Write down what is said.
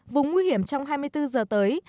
vùng nguy hiểm trong hai mươi bốn giờ tới